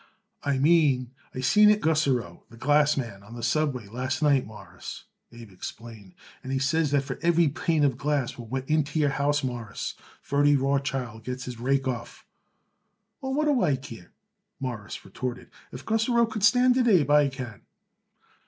"I mean I seen it Gussarow, the glass man, on the subway last night, Mawruss," Abe explained, "and he says that for every pane of glass what went into your house, Mawruss, Ferdy Rothschild gets his rake off." "Well, what do I care?" Morris retorted. "If Gussarow could stand it, Abe, I can."